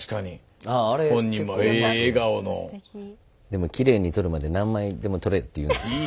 でもきれいに撮るまで何枚でも撮れって言うんですよ。